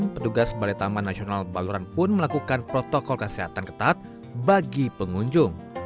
petugas balai taman nasional baluran pun melakukan protokol kesehatan ketat bagi pengunjung